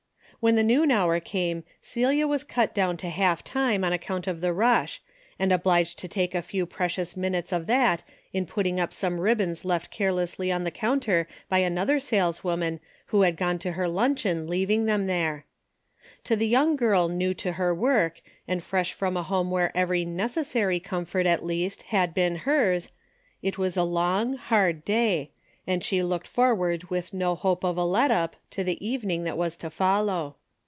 When the noon hour came Celia was cut down to half time on account of the rush, and obliged to take a few precious minutes of that in putting up some ribbons left carelessly on the counter by another saleswoman who had gone to her luncheon leaving them there. To the young girl new to her work, and fresh from a home where every necessary comfort at least had been hers, it was a long, hard day, and she looked forward with no hope of a let up to the evening that was to follow.